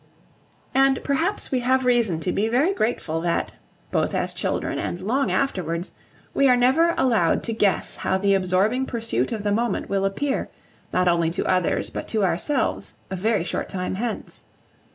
And perhaps we have reason to be very grateful that, both as children and long afterwards, we are never allowed to guess how the absorbing pursuit of the moment will appear, not only to others, but to ourselves, a very short time hence.